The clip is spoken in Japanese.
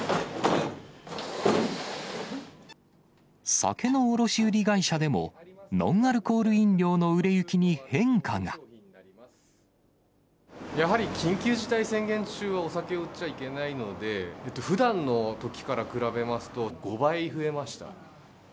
酒の卸売り会社でも、ノンアルコやはり緊急事態宣言中はお酒を売っちゃいけないので、ふだんのときから比べますと、５倍増えました。